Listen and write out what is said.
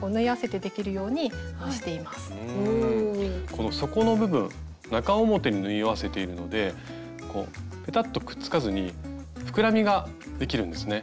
この底の部分中表に縫い合わせているのでペタッとくっつかずに膨らみができるんですね。